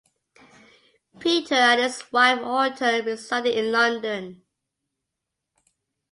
Peter and his wife Autumn resided in London.